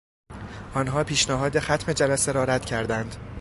آنها پیشنهاد ختم جلسه را رد کردند.